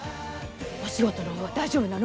お仕事のほうは大丈夫なの？